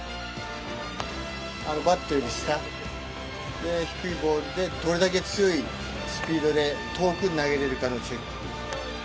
あのバットより下、低いボールで、どれだけ強いスピードで遠くに投げれるかのチェック。